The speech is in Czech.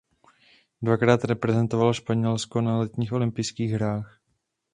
Dvakrát reprezentoval Španělsko na letních olympijských hrách.